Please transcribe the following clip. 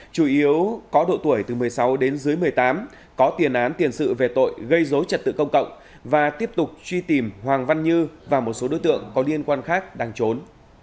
chủ yếu có độ tuổi từ một mươi sáu đến dưới một mươi tám có tiền án tiền sự về tội gây dối trật tự công cộng và tiếp tục truy tìm hoàng văn như và một số đối tượng có liên quan khác đang trốn